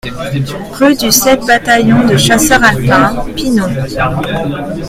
Rue du sept e Bataillon de Chasseurs Alpins, Pinon